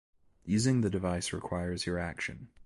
Using the device requires your action.